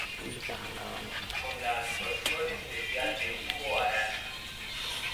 Con la actuación especial de Hugo Arana.